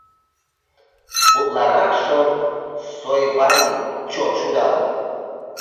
Утларакшым Сойваим чот шудалын.